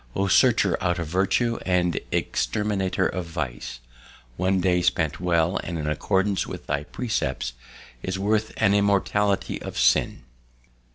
O searcher out of virtue and exterminator of vice! One day spent well and in accordance with thy precepts is worth an immortality of sin."